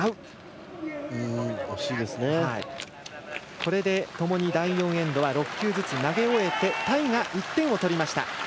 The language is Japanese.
これでともに第４エンドは６球ずつ投げ終えてタイが１点取りました。